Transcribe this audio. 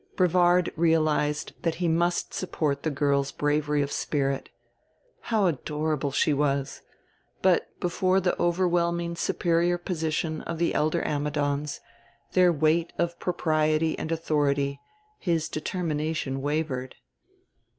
Brevard realized that he must support the girl's bravery of spirit. How adorable she was! But, before the overwhelming superior position of the elder Ammidons, their weight of propriety and authority, his determination wavered.